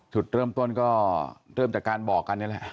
จุดเริ่มต้นก็เริ่มจากการบอกกันนี่แหละ